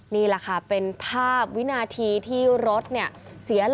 นี่ละครับเป็นภาพวินาที